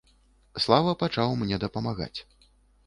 Слава пачаў мне дапамагаць.